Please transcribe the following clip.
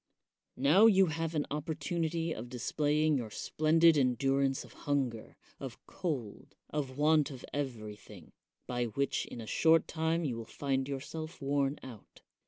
Now you have an opportunity of displaying your splendid endurance of hunger, of cold, of want of everything; by which in a short time you will find yourself worn out.